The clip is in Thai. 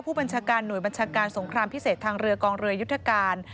ผู้บัญชาการหน่วยบัญชาการสงครามพิเศษทางเรือกองเรือยุทธการ